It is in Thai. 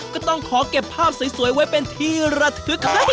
ก็ต้องขอเก็บภาพสวยไว้เป็นที่ระทึก